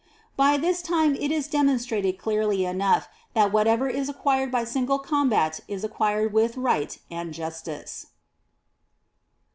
7. By this time it is demonstrated clearly enough that whatever is acquired by single com bat is acquired with Right and Justice.